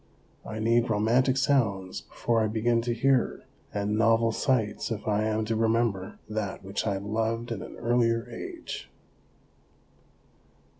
I need romantic sounds before I begin to hear, and novel sights if I am to remember that which I loved in an earlier age.